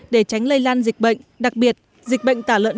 để có những thông tin